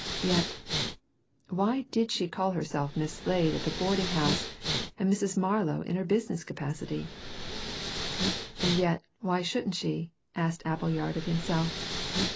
yet ... why did she call herself Miss Slade at the boarding house and Mrs. Marlow in her business capacity? "And yet why shouldn't she?" asked Appleyard of himself.